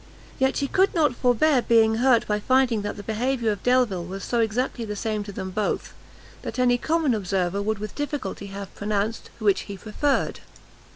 Yet she could not forbear being hurt by finding that the behaviour of Delvile was so exactly the same to them both, that any common observer would with difficulty have pronounced which he preferred.